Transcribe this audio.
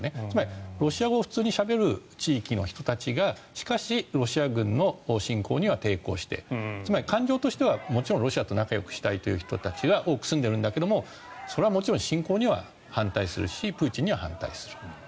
つまりロシア語を普通にしゃべる地域の人たちがしかし、ロシア軍の侵攻には抵抗して感情としてはもちろんロシアと仲よくしたいという人たちが多く住んでいるんだけどもちろん侵攻には反対するしプーチンには反対する。